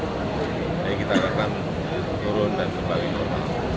jadi kita harapkan turun dan kembali normal